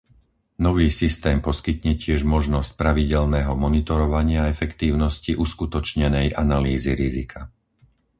Nový systém poskytne tiež možnosť pravidelného monitorovania efektívnosti uskutočnenej analýzy rizika.